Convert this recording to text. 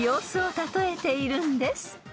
例えているんです］